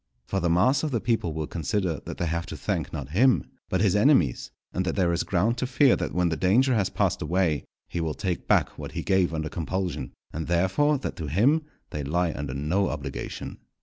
For the mass of the people will consider that they have to thank not him, but his enemies, and that there is ground to fear that when the danger has passed away, he will take back what he gave under compulsion, and, therefore, that to him they lie under no obligation.